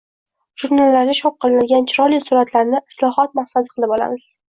jurnallarda chop qilinadigan chiroyli suratlarni islohot maqsadi qilib olamiz